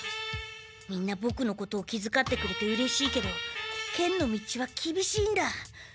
みんなボクのことを気づかってくれてうれしいけど剣の道はきびしいんだ。